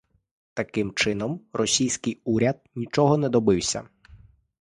Таким чином, російський уряд нічого не добився.